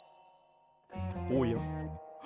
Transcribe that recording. おや？